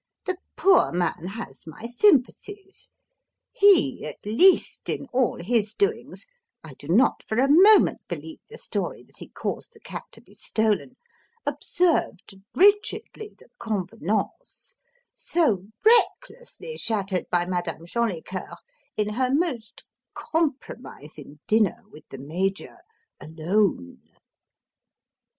The poor man has my sympathies. He, at least, in all his doings I do not for a moment believe the story that he caused the cat to be stolen observed rigidly the convenances: so recklessly shattered by Madame Jolicoeur in her most compromising dinner with the Major alone!"